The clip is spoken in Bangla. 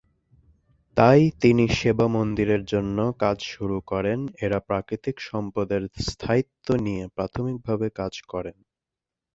তাই, তিনি সেবা মন্দিরের জন্য কাজ শুরু করেন, এঁরা প্রাকৃতিক সম্পদের স্থায়িত্ব নিয়ে প্রাথমিকভাবে কাজ করেন।